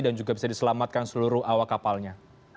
dan juga bisa diselamatkan seluruh awak kapalnya